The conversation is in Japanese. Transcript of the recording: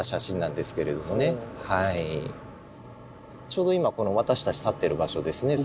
ちょうど今この私たち立ってる場所ですね